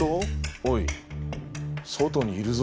おい外にいるぞ。